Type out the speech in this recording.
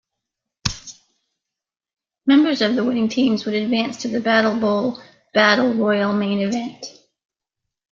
Members of the winning teams would advance to the BattleBowl battle royal main event.